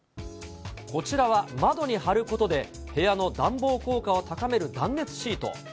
こちらは窓に貼ることで、部屋の暖房効果を高める断熱シート。